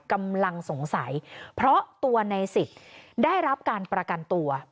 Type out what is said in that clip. กำลังสงสัยเพราะตัวในสิทธิ์ได้รับการประกันตัว